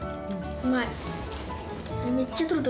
うまい！